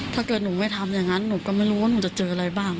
ถ้าเกิดหนูไม่ทำอย่างนั้นหนูก็ไม่รู้ว่าหนูจะเจออะไรบ้าง